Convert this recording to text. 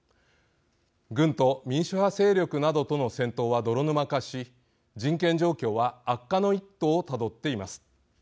軍と民主派勢力などとの戦闘は泥沼化し人権状況は悪化の一途をたどっています。